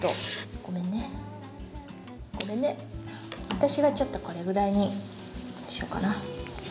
私はちょっとこれぐらいにしようかな。